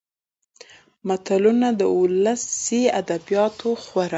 متلونه د ولسي ادبياتو خورا .